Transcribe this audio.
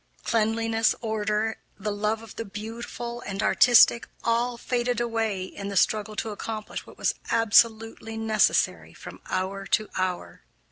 Cleanliness, order, the love of the beautiful and artistic, all faded away in the struggle to accomplish what was absolutely necessary from hour to hour.